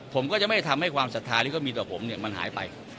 ผมก็จะไม่ทำให้ความศรัทธาที่เขามีต่อผมเนี่ยมันหายไป